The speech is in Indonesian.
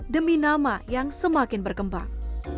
demi nama yang semakin berkembang